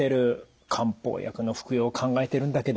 漢方薬の服用を考えてるんだけど。